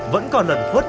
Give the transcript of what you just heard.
vẫn còn lần thuất